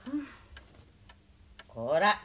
こら！